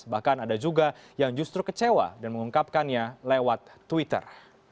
bahkan ada juga yang justru kecewa dan mengungkapkannya lewat twitter